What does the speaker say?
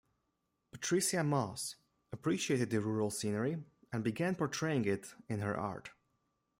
Patricia Moss appreciated the rural scenery and began portraying it in her art.